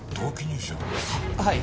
はい。